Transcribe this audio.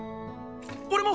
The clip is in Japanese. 俺も！